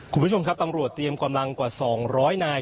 คุณผู้ชมครับตำรวจเตรียมกำลังกว่า๒๐๐นาย